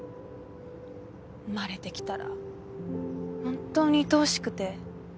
生まれて来たら本当にいとおしくて。